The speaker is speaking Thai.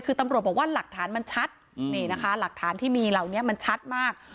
คือตำรวจบอกว่าหลักฐานมันชัดนี่นะคะหลักฐานที่มีเหล่านี้มันชัดมาก